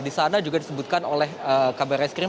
di sana juga disebutkan oleh kabar eskrim